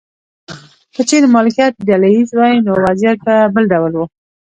که چیرې مالکیت ډله ایز وای نو وضعیت به بل ډول و.